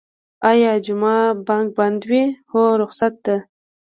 ایا جمعه بانک بند وی؟ هو، رخصت ده